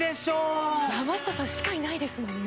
山下さんしかいないですもんね。